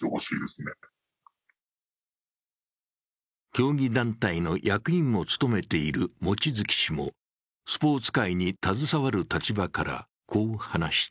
競技団体の役員も務めている望月氏も、スポーツ界に携わる立場からこう話した。